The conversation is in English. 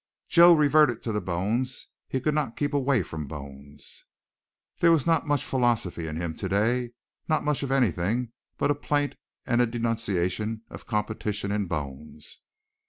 Joe reverted to the bones; he could not keep away from bones. There was not much philosophy in him today, not much of anything but a plaint and a denunciation of competition in bones.